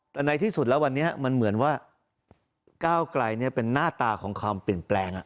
แต่ในที่สุดแล้ววันนี้มันเหมือนว่าก้าวไกลเป็นหน้าตาของความเปลี่ยนแปลง